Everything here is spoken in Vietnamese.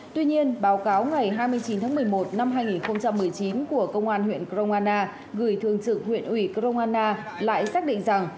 tuy nhiên báo cáo ngày hai mươi chín tháng một mươi một năm hai nghìn một mươi chín của công an huyện kro nga na gửi thường trực huyện huyện kro nga na lại xác định rằng